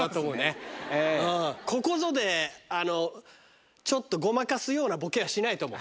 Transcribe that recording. ここぞでごまかすようなボケはしないと思う。